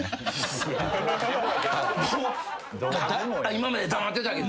今まで黙ってたけど。